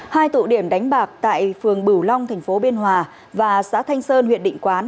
hai tụ điểm đánh bạc tại phường bửu long thành phố biên hòa và xã thanh sơn huyện định quán